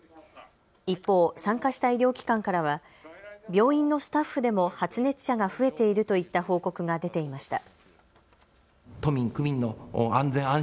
一方、参加した医療機関からは病院のスタッフでも発熱者が増えているといった報告が出ていました。